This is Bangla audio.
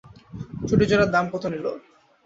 চটি জোড়ার দাম কত নিলো?